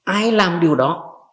ai làm điều đó